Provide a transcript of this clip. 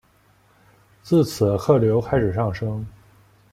自此客流开始上升。